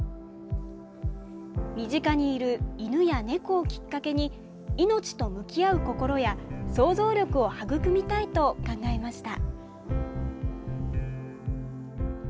身近にいる犬や猫をきっかけに命と向き合う心や、想像力を育みたいと考えました。